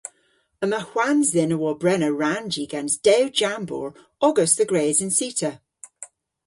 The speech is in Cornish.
Yma hwans dhyn a wobrena rannji gans dew jambour ogas dhe gres an cita.